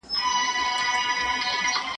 د پښتو ادب معاصره دوره په تاریخ کې بې سارې ده.